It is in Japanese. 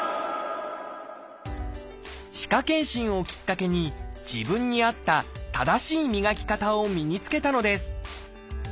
歯科健診をきっかけに自分に合った正しい磨き方を身につけたのです。